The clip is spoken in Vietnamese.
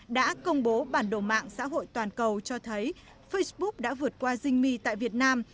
đã công bố bản đồ mạng xã hội toàn cầu cho thấy facebook đã vượt qua zingmy tại việt nam